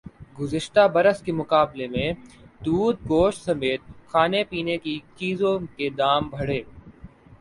گزشتہ برس کے مقابلے میں دودھ گوشت سمیت کھانے پینے کی چیزوں کے دام بڑھے